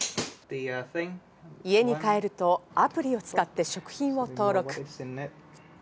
家に帰るとアプリを使って食品を登録。